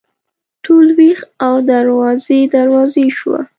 ټول ویښ او دروازې، دروازې شوه